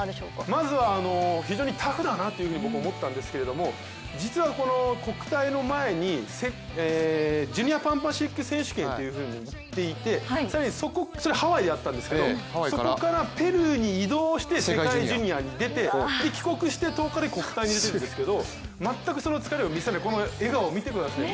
まずは非常にタフだなと思ったんですけれども、実はこの国体の前にジュニアパンパシフィック選手権に行っていてそれはハワイでやったんですけれども、そこからペルーに移動して世界ジュニアに出て、帰国して１０日で国体に出ているんですけど全くその疲れを見せないこの笑顔見てください。